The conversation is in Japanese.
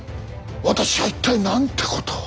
私は一体なんてことを。